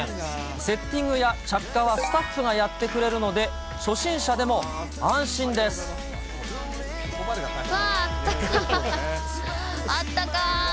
セッティングや着火はスタッフがやってくれるので、わー、あったかい。